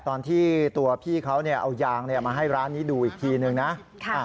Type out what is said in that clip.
ตอนที่ตัวพี่เขาเอายางมาให้ร้านนี้ดูอีกทีหนึ่งนะ